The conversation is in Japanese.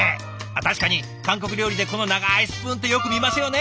確かに韓国料理でこの長いスプーンってよく見ますよね。